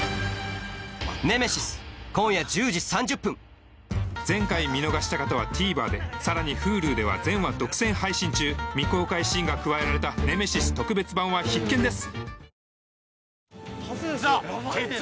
『ネメシス』前回見逃した方はＴＶｅｒでさらにＨｕｌｕでは全話独占配信中未公開シーンが加えられた『ネメシス』特別版は必見です